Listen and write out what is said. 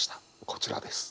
こちらです。